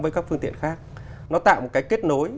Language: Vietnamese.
với các phương tiện khác nó tạo một cái kết nối